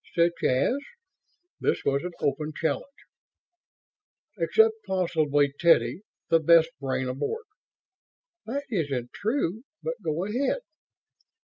"Such as?" This was an open challenge. "Except possibly Teddy, the best brain aboard." "That isn't true, but go ahead."